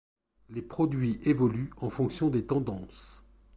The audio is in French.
Les produits évoluent en fonction des tendances.